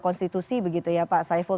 konstitusi begitu ya pak saiful